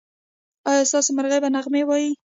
ایا ستاسو مرغۍ به نغمې وايي؟